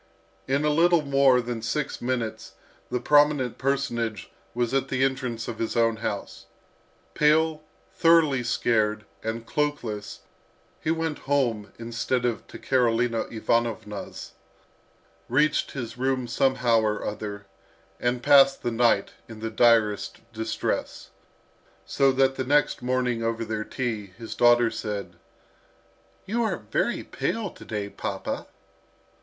In a little more than six minutes the prominent personage was at the entrance of his own house. Pale, thoroughly scared, and cloakless, he went home instead of to Karolina Ivanovna's, reached his room somehow or other, and passed the night in the direst distress; so that the next morning over their tea, his daughter said, "You are very pale to day, papa."